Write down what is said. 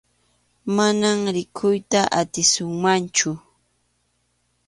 Manam rikuyta atisunmanchu.